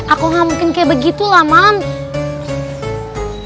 aku nggak mungkin kayak begitulah mams